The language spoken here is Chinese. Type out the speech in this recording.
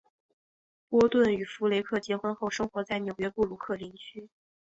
波顿与弗雷克结婚后生活在纽约布鲁克林区。